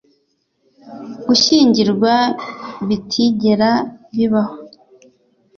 gushyingirwa bitigera bibaho